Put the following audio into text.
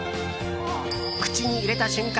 口に入れた瞬間